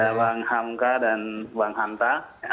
ada bang hamka dan bang hanta